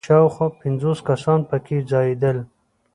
شاوخوا پنځوس کسان په کې ځایېدل.